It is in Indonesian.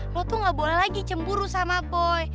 lo tuh gak boleh lagi cemburu sama boy